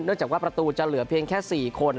จากว่าประตูจะเหลือเพียงแค่๔คน